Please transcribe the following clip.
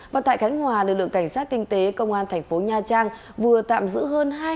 và tại khánh hòa lực lượng cảnh sát kinh tế công an thành phố nha trang vừa tạm giữ hơn